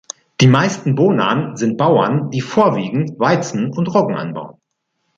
Die meisten Bonan sind Bauern, die vorwiegend Weizen und Roggen anbauen.